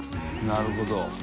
なるほど。